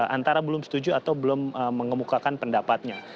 antara belum setuju atau belum mengemukakan pendapatnya